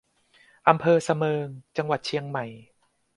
อำเภอสะเมิง จังหวัดเชียงใหม่